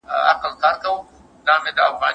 بازار بدل شو.